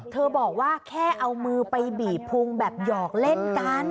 บอกว่าแค่เอามือไปบีบพุงแบบหยอกเล่นกัน